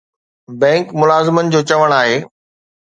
bank ملازمن جو چوڻ آهي